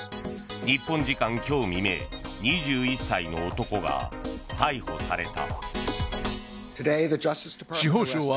日本時間今日未明２１歳の男が逮捕された。